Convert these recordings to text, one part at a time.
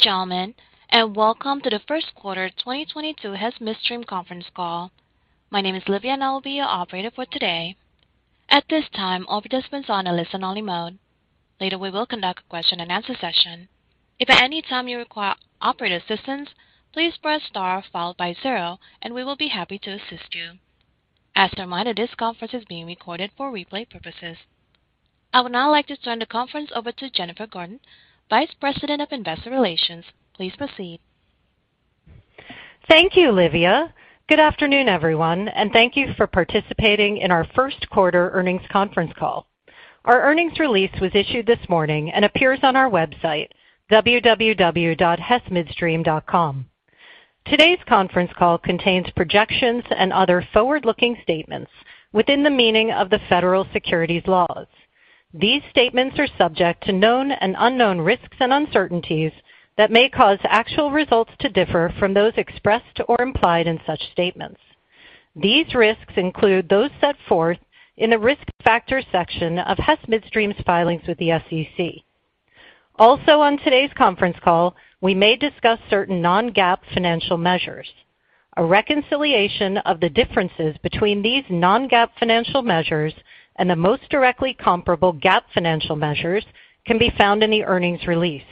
Gentlemen, and welcome to the Q1 2022 Hess Midstream conference call. My name is Livya, and I will be your operator for today. At this time, all participants are on a listen-only mode. Later, we will conduct a question-and-answer session. If at any time you require operator assistance, please press star followed by zero, and we will be happy to assist you. As a reminder, this conference is being recorded for replay purposes. I would now like to turn the conference over to Jennifer Gordon, Vice President of Investor Relations. Please proceed. Thank you, Livya. Good afternoon, everyone, and thank you for participating in our Q1 earnings conference call. Our earnings release was issued this morning and appears on our website, www.hessmidstream.com. Today's conference call contains projections and other forward-looking statements within the meaning of the federal securities laws. These statements are subject to known and unknown risks and uncertainties that may cause actual results to differ from those expressed or implied in such statements. These risks include those set forth in the Risk Factors section of Hess Midstream's filings with the SEC. Also on today's conference call, we may discuss certain non-GAAP financial measures. A reconciliation of the differences between these non-GAAP financial measures and the most directly comparable GAAP financial measures can be found in the earnings release.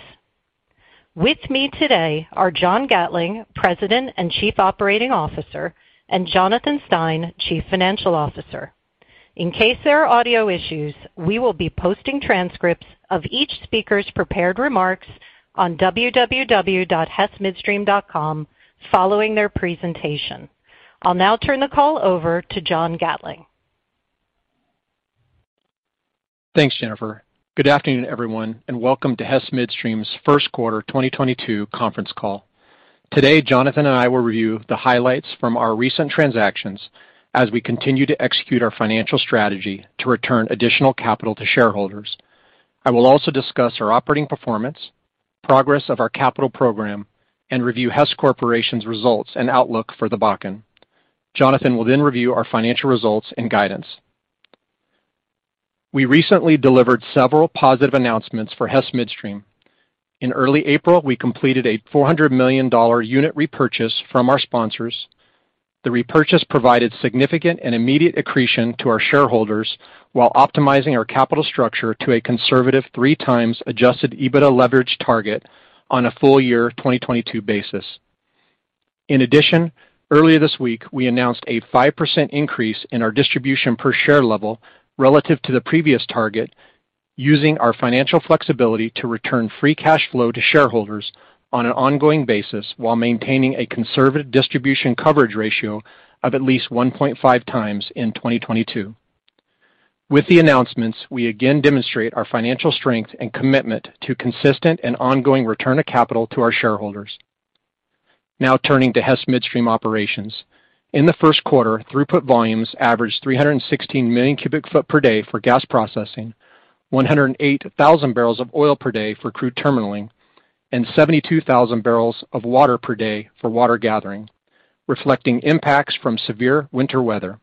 With me today are John Gatling, President and Chief Operating Officer, and Jonathan Stein, Chief Financial Officer. In case there are audio issues, we will be posting transcripts of each speaker's prepared remarks on www.hessmidstream.com following their presentation. I'll now turn the call over to John Gatling. Thanks, Jennifer. Good afternoon, everyone, and welcome to Hess Midstream's Q1 2022 conference call. Today, Jonathan and I will review the highlights from our recent transactions as we continue to execute our financial strategy to return additional capital to shareholders. I will also discuss our operating performance, progress of our capital program, and review Hess Corporation's results and outlook for the Bakken. Jonathan will then review our financial results and guidance. We recently delivered several positive announcements for Hess Midstream. In early April, we completed a $400 million unit repurchase from our sponsors. The repurchase provided significant and immediate accretion to our shareholders while optimizing our capital structure to a conservative 3x adjusted EBITDA leverage target on a full year 2022 basis. In addition, earlier this week, we announced a 5% increase in our distribution per share level relative to the previous target using our financial flexibility to return free cash flow to shareholders on an ongoing basis while maintaining a conservative distribution coverage ratio of at least 1.5x in 2022. With the announcements, we again demonstrate our financial strength and commitment to consistent and ongoing return of capital to our shareholders. Now turning to Hess Midstream operations. In the Q1, throughput volumes averaged 316 million cubic feet per day for gas processing, 108,000 bbl of oil per day for crude terminaling, and 72,000 bbl of water per day for water gathering, reflecting impacts from severe winter weather.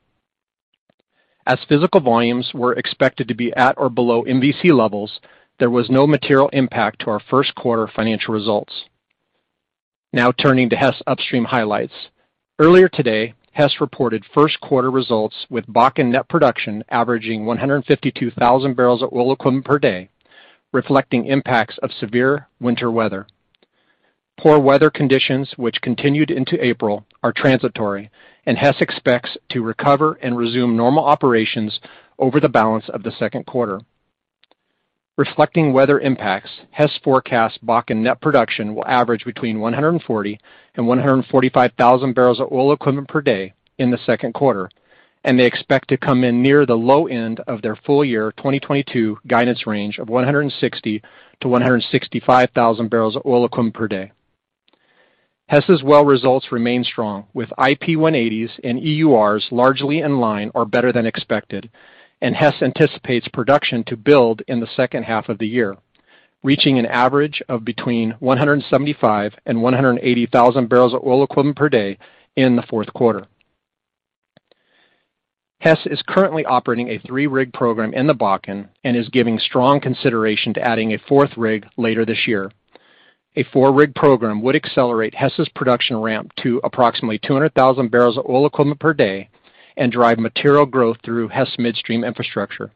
As physical volumes were expected to be at or below MVC levels, there was no material impact to our Q1 financial results. Now turning to Hess Upstream highlights. Earlier today, Hess reported Q1 results with Bakken net production averaging 152,000 bbl of oil equivalent per day, reflecting impacts of severe winter weather. Poor weather conditions, which continued into April, are transitory, and Hess expects to recover and resume normal operations over the balance of the Q2. Reflecting weather impacts, Hess forecasts Bakken net production will average between 140,000 and 145,000 bbl of oil equivalent per day in the Q2, and they expect to come in near the low end of their full year 2022 guidance range of 160,000-165,000 bbl of oil equivalent per day. Hess's well results remain strong, with IP-180s and EURs largely in line or better than expected, and Hess anticipates production to build in the H2 of the year, reaching an average of between 175,000 and 180,000 bbl of oil equivalent per day in the Q4. Hess is currently operating a three-rig program in the Bakken and is giving strong consideration to adding a fourth rig later this year. A four-rig program would accelerate Hess's production ramp to approximately 200,000 bbl of oil equivalent per day and drive material growth through Hess Midstream infrastructure.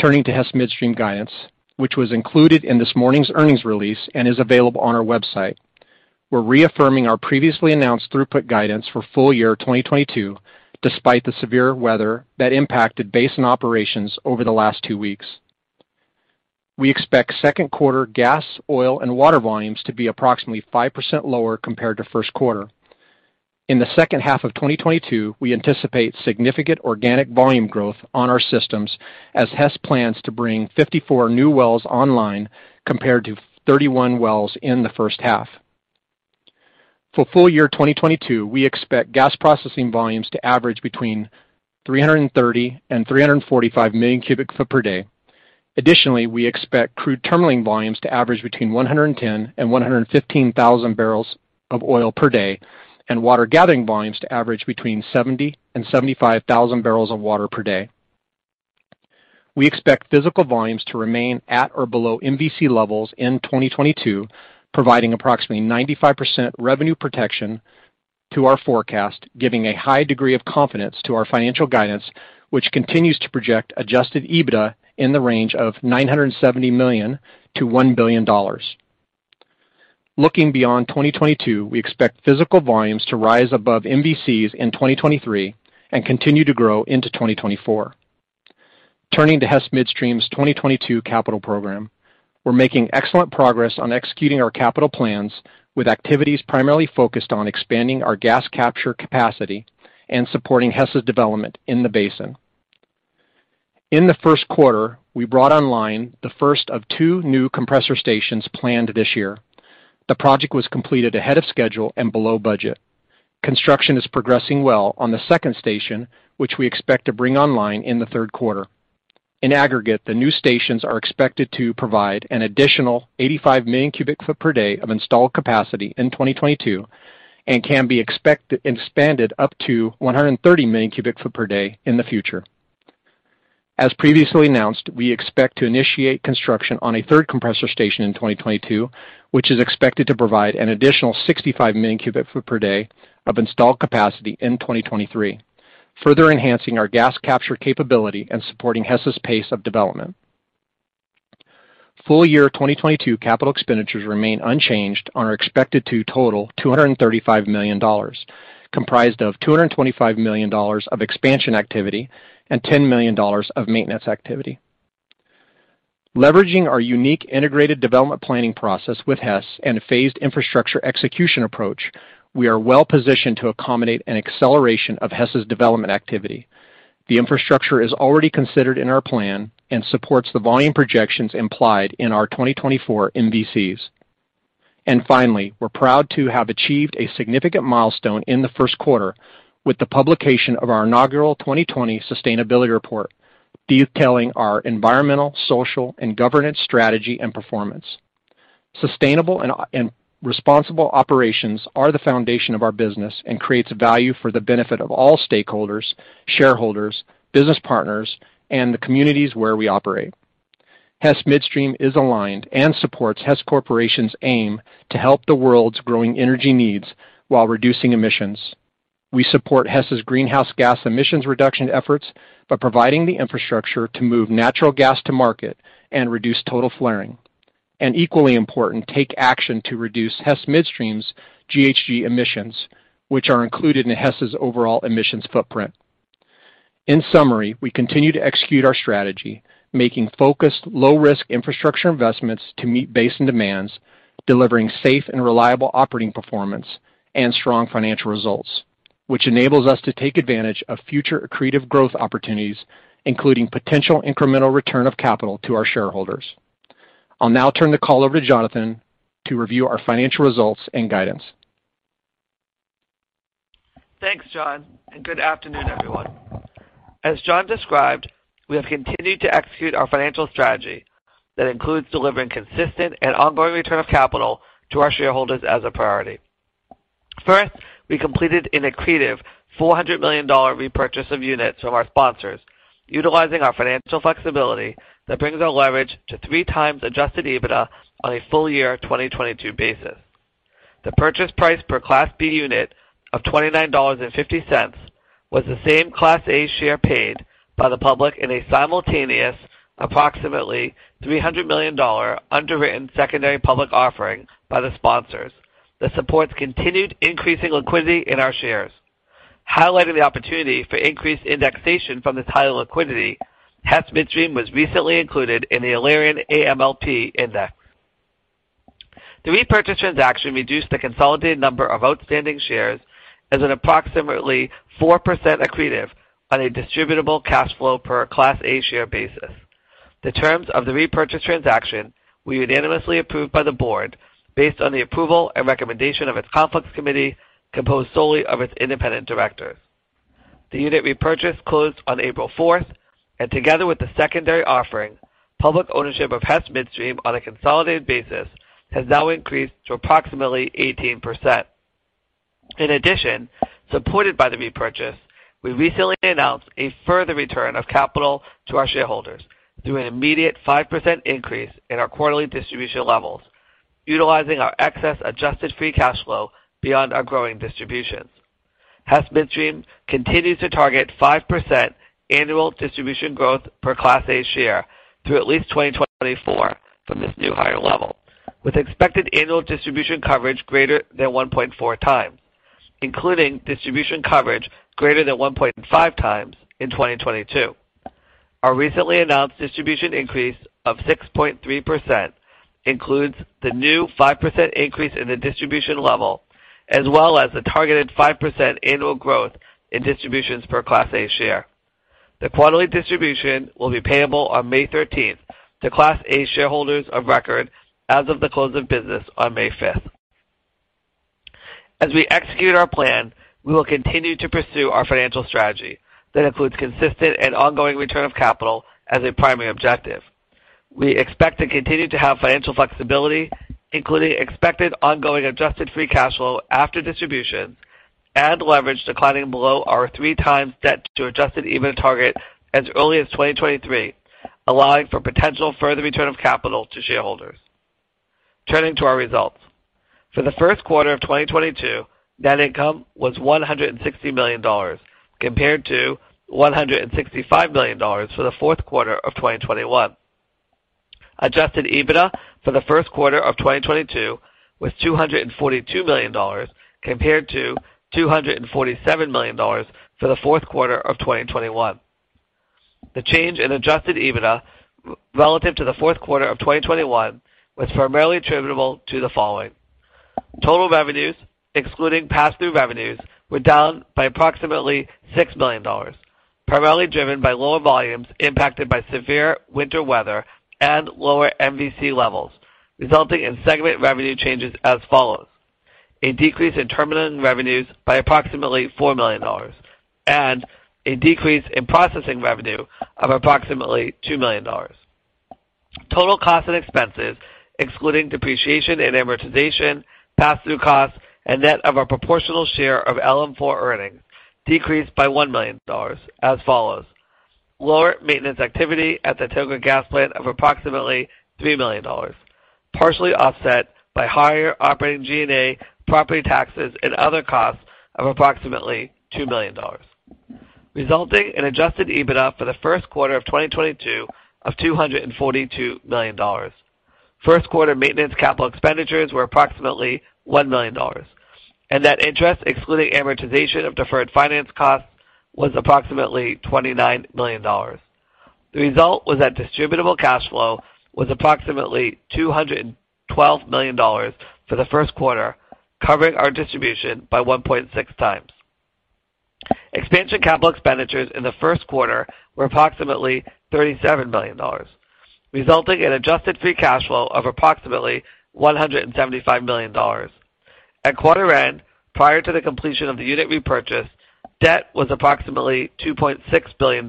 Turning to Hess Midstream guidance, which was included in this morning's earnings release and is available on our website. We're reaffirming our previously announced throughput guidance for full year 2022, despite the severe weather that impacted basin operations over the last two weeks. We expect Q2 gas, oil, and water volumes to be approximately 5% lower compared to Q1. In the H2 of 2022, we anticipate significant organic volume growth on our systems as Hess plans to bring 54 new wells online compared to 31 wells in the H1. For full year 2022, we expect gas processing volumes to average between 330 and 345 million cubic feet per day. Additionally, we expect crude terminaling volumes to average between 110 and 115 thousand barrels of oil per day, and water gathering volumes to average between 70 and 75 thousand barrels of water per day. We expect physical volumes to remain at or below MVC levels in 2022, providing approximately 95% revenue protection to our forecast, giving a high degree of confidence to our financial guidance, which continues to project adjusted EBITDA in the range of $970 million-$1 billion. Looking beyond 2022, we expect physical volumes to rise above MVCs in 2023 and continue to grow into 2024. Turning to Hess Midstream's 2022 capital program, we're making excellent progress on executing our capital plans with activities primarily focused on expanding our gas capture capacity and supporting Hess's development in the basin. In the Q1, we brought online the first of two new compressor stations planned this year. The project was completed ahead of schedule and below budget. Construction is progressing well on the second station, which we expect to bring online in the Q3. In aggregate, the new stations are expected to provide an additional 85 million cubic feet per day of installed capacity in 2022 and can be expanded up to 130 million cubic feet per day in the future. We expect to initiate construction on a third compressor station in 2022, which is expected to provide an additional 65 million cubic feet per day of installed capacity in 2023, further enhancing our gas capture capability and supporting Hess's pace of development. Full year 2022 capital expenditures remain unchanged and are expected to total $235 million, comprised of $225 million of expansion activity and $10 million of maintenance activity. Leveraging our unique integrated development planning process with Hess and a phased infrastructure execution approach, we are well-positioned to accommodate an acceleration of Hess's development activity. The infrastructure is already considered in our plan and supports the volume projections implied in our 2024 MVCs. Finally, we're proud to have achieved a significant milestone in the Q1 with the publication of our inaugural 2020 sustainability report, detailing our environmental, social, and governance strategy and performance. Sustainable and responsible operations are the foundation of our business and creates value for the benefit of all stakeholders, shareholders, business partners, and the communities where we operate. Hess Midstream is aligned and supports Hess Corporation's aim to help the world's growing energy needs while reducing emissions. We support Hess's greenhouse gas emissions reduction efforts by providing the infrastructure to move natural gas to market and reduce total flaring. Equally important, take action to reduce Hess Midstream's GHG emissions, which are included in Hess's overall emissions footprint. In summary, we continue to execute our strategy, making focused, low-risk infrastructure investments to meet basin demands, delivering safe and reliable operating performance and strong financial results, which enables us to take advantage of future accretive growth opportunities, including potential incremental return of capital to our shareholders. I'll now turn the call over to Jonathan to review our financial results and guidance. Thanks, John, and good afternoon, everyone. As John described, we have continued to execute our financial strategy. That includes delivering consistent and ongoing return of capital to our shareholders as a priority. First, we completed an accretive $400 million repurchase of units from our sponsors, utilizing our financial flexibility that brings our leverage to 3x adjusted EBITDA on a full year 2022 basis. The purchase price per Class B unit of $29.50 was the same Class A share paid by the public in a simultaneous approximately $300 million underwritten secondary public offering by the sponsors. This supports continued increasing liquidity in our shares. Highlighting the opportunity for increased indexation from this higher liquidity, Hess Midstream was recently included in the Alerian MLP Index. The repurchase transaction reduced the consolidated number of outstanding shares by an approximately 4% accretive on a Distributable Cash Flow per Class A share basis. The terms of the repurchase transaction were unanimously approved by the board based on the approval and recommendation of its Conflicts Committee, composed solely of its independent directors. The unit repurchase closed on April 4, and together with the secondary offering, public ownership of Hess Midstream on a consolidated basis has now increased to approximately 18%. In addition, supported by the repurchase, we recently announced a further return of capital to our shareholders through an immediate 5% increase in our quarterly distribution levels, utilizing our excess Adjusted Free Cash Flow beyond our growing distributions. Hess Midstream continues to target 5% annual distribution growth per Class A share through at least 2024 from this new higher level, with expected annual distribution coverage greater than 1.4x, including distribution coverage greater than 1.5x in 2022. Our recently announced distribution increase of 6.3% includes the new 5% increase in the distribution level, as well as the targeted 5% annual growth in distributions per Class A share. The quarterly distribution will be payable on May 13th to Class A shareholders of record as of the close of business on May 5th. As we execute our plan, we will continue to pursue our financial strategy that includes consistent and ongoing return of capital as a primary objective. We expect to continue to have financial flexibility, including expected ongoing Adjusted Free Cash Flow after distribution and leverage declining below our 3x debt to adjusted EBITDA target as early as 2023, allowing for potential further return of capital to shareholders. Turning to our results. For the Q1 of 2022, net income was $160 million compared to $165 million for the Q4 of 2021. Adjusted EBITDA for the Q1 of 2022 was $242 million compared to $247 million for the Q4 of 2021. The change in adjusted EBITDA relative to the Q4 of 2021 was primarily attributable to the following. Total revenues, excluding pass-through revenues, were down by approximately $6 million, primarily driven by lower volumes impacted by severe winter weather and lower MVC levels, resulting in segment revenue changes as follows. A decrease in terminal revenues by approximately $4 million and a decrease in processing revenue of approximately $2 million. Total costs and expenses, excluding depreciation and amortization, pass-through costs, and net of our proportional share of LM4 earnings, decreased by $1 million as follows. Lower maintenance activity at the Tioga Gas Plant of approximately $3 million, partially offset by higher operating G&A property taxes and other costs of approximately $2 million, resulting in adjusted EBITDA for the Q1 of 2022 of $242 million. Q1 maintenance capital expenditures were approximately $1 million, and net interest excluding amortization of deferred finance costs was approximately $29 million. The result was that Distributable Cash Flow was approximately $212 million for the Q1, covering our distribution by 1.6x. Expansion capital expenditures in the Q1 were approximately $37 million, resulting in Adjusted Free Cash Flow of approximately $175 million. At quarter end, prior to the completion of the unit repurchase, debt was approximately $2.6 billion,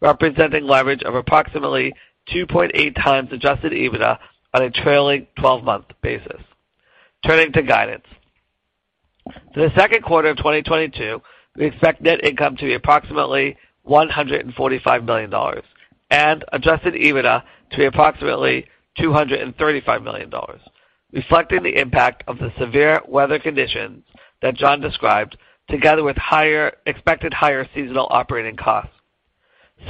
representing leverage of approximately 2.8x adjusted EBITDA on a trailing 12-month basis. Turning to guidance. For the Q2 of 2022, we expect net income to be approximately $145 million and adjusted EBITDA to be approximately $235 million, reflecting the impact of the severe weather conditions that John described together with expected higher seasonal operating costs.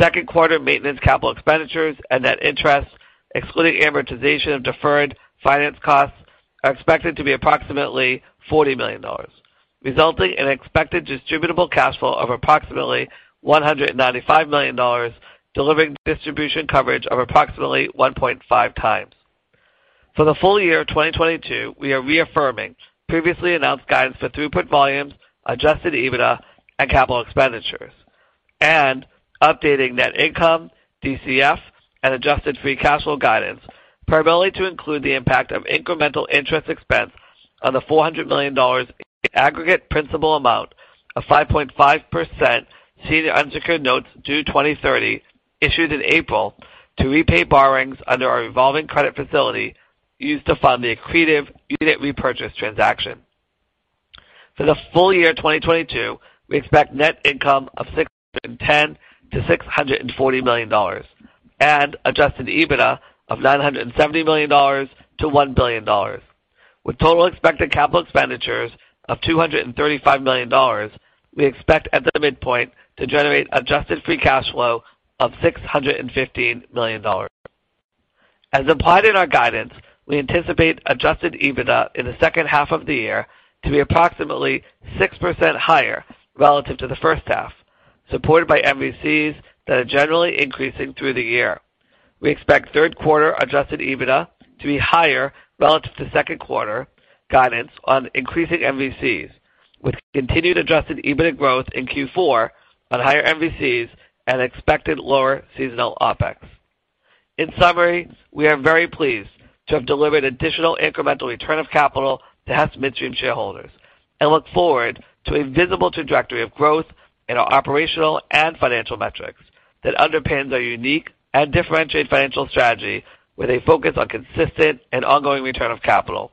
Q2 maintenance capital expenditures and net interest, excluding amortization of deferred finance costs, are expected to be approximately $40 million, resulting in expected Distributable Cash Flow of approximately $195 million, delivering distribution coverage of approximately 1.5x. For the full year 2022, we are reaffirming previously announced guidance for throughput volumes, Adjusted EBITDA and capital expenditures, and updating net income, DCF, and adjusted free cash flow guidance, primarily to include the impact of incremental interest expense on the $400 million aggregate principal amount of 5.5% senior unsecured notes due 2030 issued in April to repay borrowings under our revolving credit facility used to fund the accretive unit repurchase transaction. For the full year 2022, we expect net income of $610 million-$640 million and Adjusted EBITDA of $970 million-$1 billion. With total expected capital expenditures of $235 million, we expect at the midpoint to generate adjusted free cash flow of $615 million. As implied in our guidance, we anticipate adjusted EBITDA in the H2 of the year to be approximately 6% higher relative to the H1, supported by MVCs that are generally increasing through the year. We expect Q3 adjusted EBITDA to be higher relative to Q2 guidance on increasing MVCs, with continued adjusted EBITDA growth in Q4 on higher MVCs and expected lower seasonal OpEx. In summary, we are very pleased to have delivered additional incremental return of capital to Hess Midstream shareholders and look forward to a visible trajectory of growth in our operational and financial metrics that underpins our unique and differentiated financial strategy with a focus on consistent and ongoing return of capital.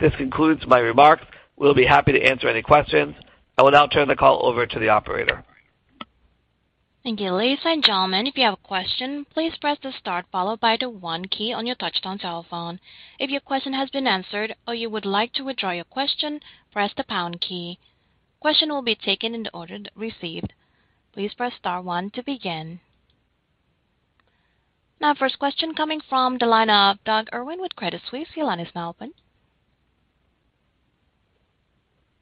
This concludes my remarks. We'll be happy to answer any questions. I will now turn the call over to the operator. Thank you. Ladies and gentlemen, if you have a question, please press the star followed by the one key on your touch-tone cell phone. If your question has been answered or you would like to withdraw your question, press the pound key. Questions will be taken in the order received. Please press star one to begin. Now first question coming from the line of Doug Irwin with Credit Suisse. Your line is now open.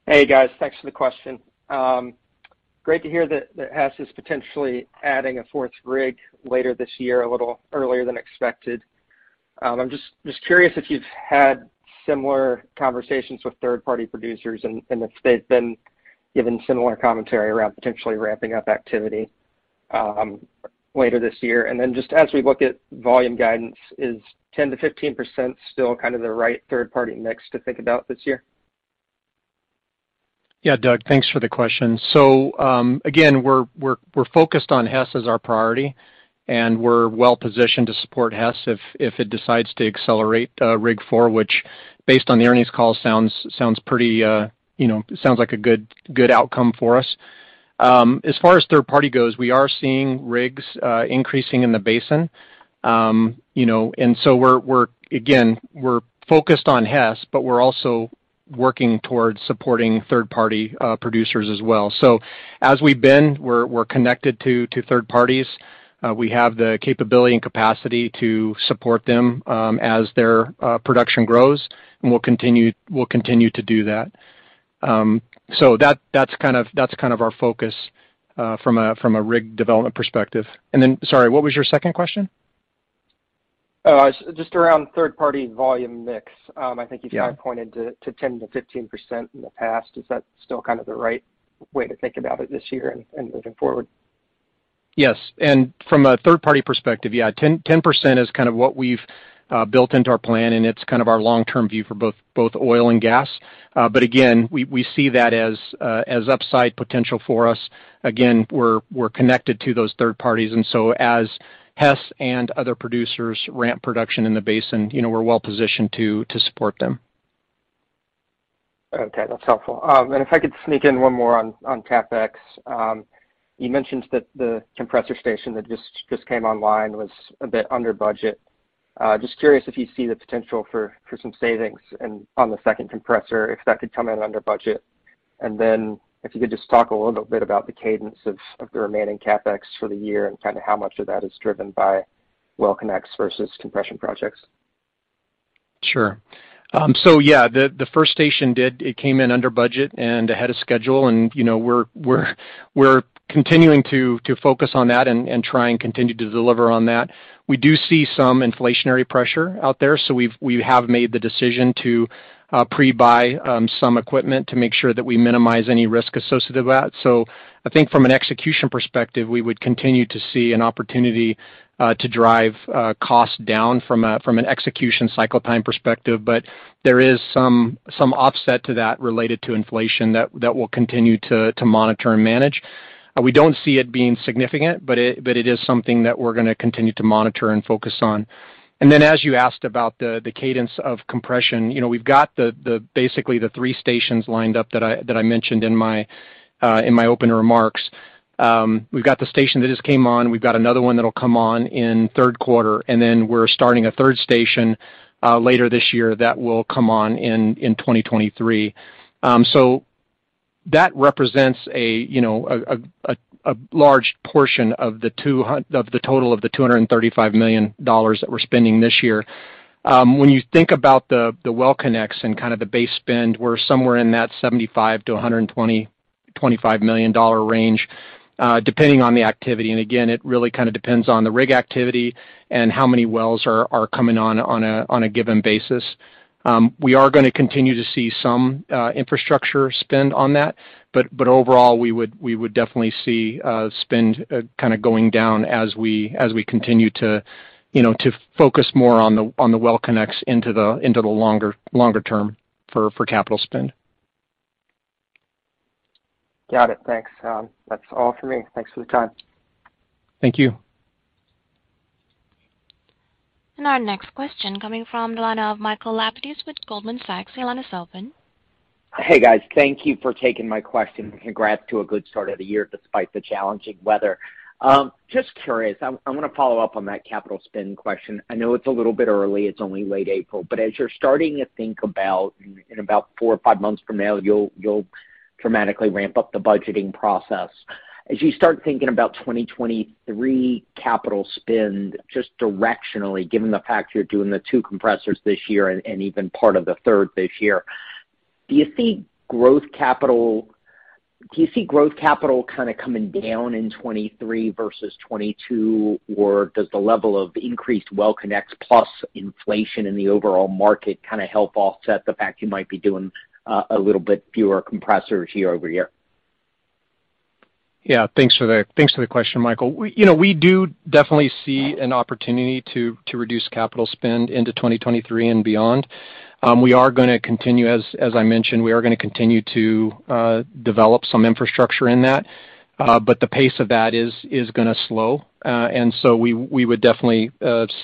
Hey, guys. Thanks for the question. Great to hear that Hess is potentially adding a fourth rig later this year a little earlier than expected. I'm just curious if you've had similar conversations with third-party producers and if they've been given similar commentary around potentially ramping up activity later this year. Just as we look at volume guidance, is 10%-15% still kind of the right third-party mix to think about this year? Yeah, Doug, thanks for the question. Again, we're focused on Hess as our priority, and we're well-positioned to support Hess if it decides to accelerate rig count, which based on the earnings call sounds pretty, you know, like a good outcome for us. As far as third-party goes, we are seeing rigs increasing in the basin. You know, we're focused on Hess, but we're also working towards supporting third-party producers as well. As we've been, we're connected to third parties. We have the capability and capacity to support them as their production grows, and we'll continue to do that. That's kind of our focus from a rig development perspective. Sorry, what was your second question? Just around third-party volume mix. I think you kind of Yeah... Pointed to 10% to 10%-15% in the past. Is that still kind of the right way to think about it this year and looking forward? Yes. From a third-party perspective, yeah, 10% is kind of what we've built into our plan, and it's kind of our long-term view for both oil and gas. But again, we see that as upside potential for us. Again, we're connected to those third parties, and so as Hess and other producers ramp production in the basin, you know, we're well positioned to support them. Okay, that's helpful. If I could sneak in one more on CapEx. You mentioned that the compressor station that just came online was a bit under budget. Just curious if you see the potential for some savings on the second compressor, if that could come in under budget. If you could just talk a little bit about the cadence of the remaining CapEx for the year and kind of how much of that is driven by well connects versus compression projects. Sure. So yeah, the first station did. It came in under budget and ahead of schedule. You know, we're continuing to focus on that and try and continue to deliver on that. We do see some inflationary pressure out there, so we have made the decision to pre-buy some equipment to make sure that we minimize any risk associated with that. I think from an execution perspective, we would continue to see an opportunity to drive costs down from an execution cycle time perspective. There is some offset to that related to inflation that we'll continue to monitor and manage. We don't see it being significant, but it is something that we're gonna continue to monitor and focus on. As you asked about the cadence of compression, you know, we've got basically the three stations lined up that I mentioned in my opening remarks. We've got the station that just came on. We've got another one that'll come on in Q3, and then we're starting a third station later this year that will come on in 2023. That represents, you know, a large portion of the total of the $235 million that we're spending this year. When you think about the well connects and kind of the base spend, we're somewhere in that $75-$125 million dollar range, depending on the activity. Again, it really kind of depends on the rig activity and how many wells are coming on a given basis. We are gonna continue to see some infrastructure spend on that, but overall, we would definitely see spend kind of going down as we continue to you know to focus more on the well connects into the longer term for capital spend. Got it. Thanks. That's all for me. Thanks for the time. Thank you. Our next question coming from the line of Michael Lapides with Goldman Sachs. Your line is open. Hey, guys. Thank you for taking my question. Congrats to a good start of the year despite the challenging weather. Just curious, I wanna follow up on that capital spend question. I know it's a little bit early, it's only late April. As you're starting to think about in about four or five months from now, you'll dramatically ramp up the budgeting process. As you start thinking about 2023 capital spend, just directionally, given the fact you're doing the two compressors this year and even part of the third this year, do you see growth capital kind of coming down in '2023 versus '2022? Or does the level of increased well connects plus inflation in the overall market kind of help offset the fact you might be doing a little bit fewer compressors year-over-year? Yeah. Thanks for the question, Michael. We, you know, do definitely see an opportunity to reduce capital spend into 2023 and beyond. We are gonna continue, as I mentioned, to develop some infrastructure in that. The pace of that is gonna slow. We would definitely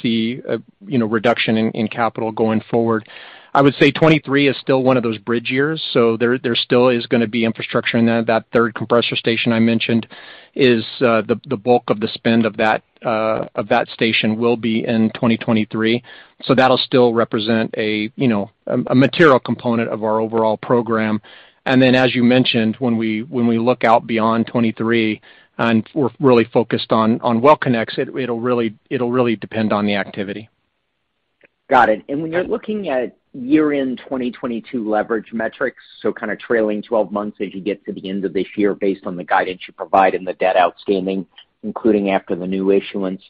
see a, you know, reduction in capital going forward. I would say 2023 is still one of those bridge years, so there still is gonna be infrastructure in that. That third compressor station I mentioned is the bulk of the spend of that station will be in 2023. That'll still represent a, you know, a material component of our overall program. As you mentioned, when we look out beyond 2023, we're really focused on well connects, it'll really depend on the activity. Got it. When you're looking at year-end 2022 leverage metrics, so kind of trailing 12 months as you get to the end of this year based on the guidance you provide and the debt outstanding, including after the new issuance,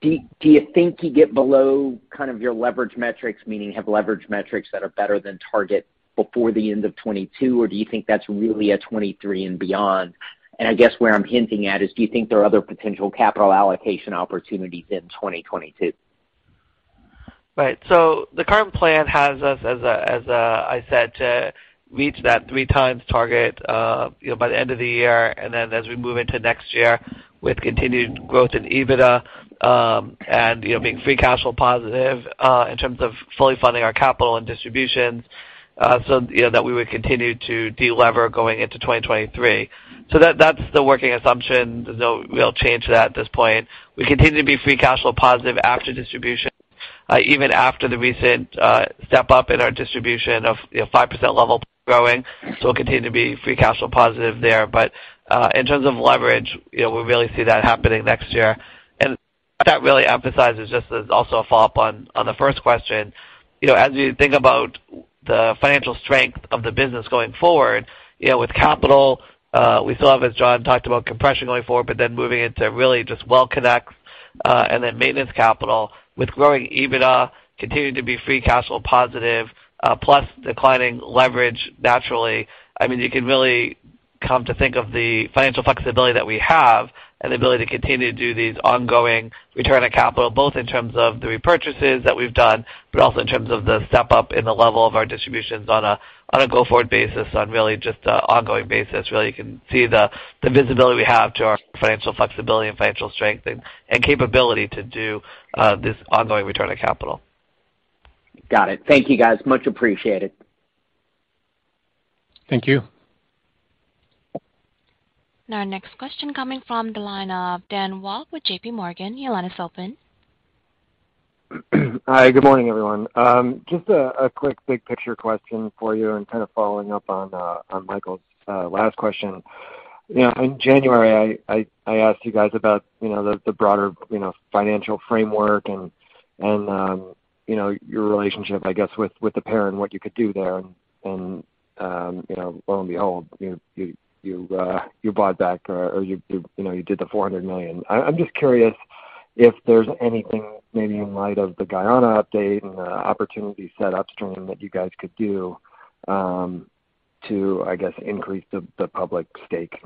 do you think you get below kind of your leverage metrics, meaning have leverage metrics that are better than target before the end of 2022? Do you think that's really a 2023 and beyond? I guess where I'm hinting at is, do you think there are other potential capital allocation opportunities in 2022? Right. The current plan has us, as I said, to reach that 3x target, you know, by the end of the year, and then as we move into next year with continued growth in EBITDA, and, you know, being free cash flow positive, in terms of fully funding our capital and distributions, you know, that we would continue to delever going into 2023. That's the working assumption. No real change to that at this point. We continue to be free cash flow positive after distribution, even after the recent step up in our distribution of, you know, 5% level growing. We'll continue to be free cash flow positive there. In terms of leverage, you know, we really see that happening next year. That really emphasizes just as also a follow-up on the first question. You know, as you think about the financial strength of the business going forward, you know, with capital, we still have, as John talked about, compression going forward, but then moving into really just well connects, and then maintenance capital with growing EBITDA, continuing to be free cash flow positive, plus declining leverage naturally. I mean, you can really come to think of the financial flexibility that we have and the ability to continue to do these ongoing return on capital, both in terms of the repurchases that we've done, but also in terms of the step up in the level of our distributions on a go-forward basis, on really just a ongoing basis. Really you can see the visibility we have to our financial flexibility and financial strength and capability to do this ongoing return on capital. Got it. Thank you, guys. Much appreciated. Thank you. Now our next question coming from the line of Dan Walk with J.P. Morgan. Your line is open. Hi, good morning, everyone. Just a quick big picture question for you and kind of following up on Michael's last question. You know, in January, I asked you guys about, you know, the broader, you know, financial framework and you know, your relationship, I guess, with the parent, what you could do there. You know, lo and behold, you bought back or you know, you did the $400 million. I'm just curious if there's anything maybe in light of the Guyana update and the opportunity set upstream that you guys could do, to I guess, increase the public stake.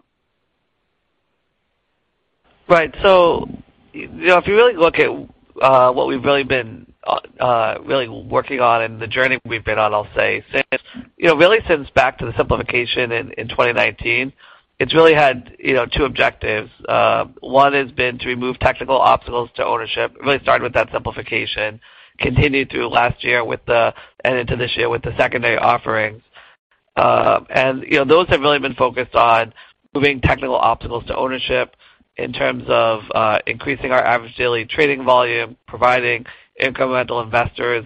Right. You know, if you really look at what we've really been working on and the journey we've been on, I'll say since you know really since back to the simplification in 2019, it's really had you know two objectives. One has been to remove technical obstacles to ownership. It really started with that simplification, continued through last year and into this year with the secondary offerings. You know, those have really been focused on removing technical obstacles to ownership in terms of increasing our average daily trading volume, providing incremental investors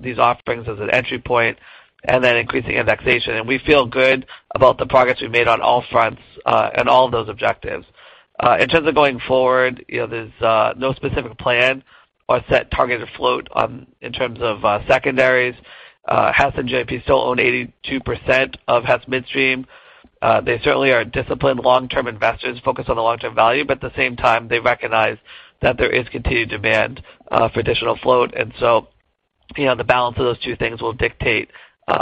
these offerings as an entry point, and then increasing indexation. We feel good about the progress we've made on all fronts and all of those objectives. In terms of going forward, you know, there's no specific plan or set target or float on in terms of secondaries. Hess and GIP still own 82% of Hess Midstream. They certainly are disciplined long-term investors focused on the long-term value, but at the same time, they recognize that there is continued demand for additional float. You know, the balance of those two things will dictate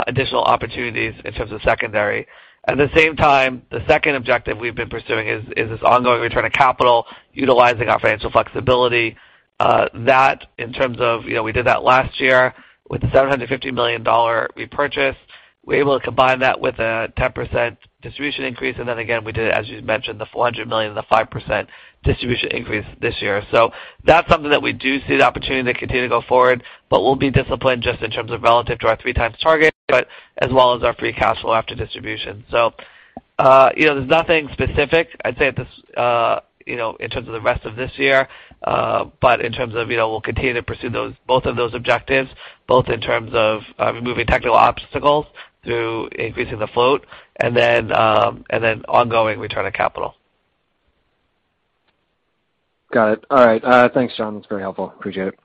additional opportunities in terms of secondary. At the same time, the second objective we've been pursuing is this ongoing return of capital utilizing our financial flexibility. That in terms of, you know, we did that last year with the $750 million repurchase. We're able to combine that with a 10% distribution increase. We did, as you mentioned, the $400 million and the 5% distribution increase this year. That's something that we do see the opportunity to continue to go forward, but we'll be disciplined just in terms of relative to our 3x target, but as well as our free cash flow after distribution. You know, there's nothing specific I'd say at this, you know, in terms of the rest of this year. In terms of, you know, we'll continue to pursue both of those objectives, both in terms of removing technical obstacles through increasing the float and then ongoing return of capital. Got it. All right. Thanks, John. That's very helpful. Appreciate it.